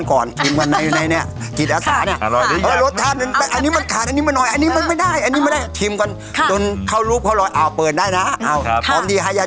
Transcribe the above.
คือกิตอสาบังคนไปเป็นพนักงานร้านค๋วเตียว